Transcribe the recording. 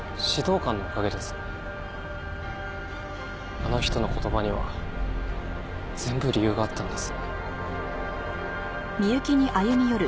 あの人の言葉には全部理由があったんです。